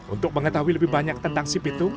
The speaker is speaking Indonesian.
untuk mengetahui lebih banyak tentang si pitung